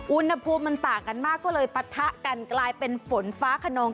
อุณหภูมิมันต่างกันมากก็เลยปะทะกันกลายเป็นฝนฟ้าขนอง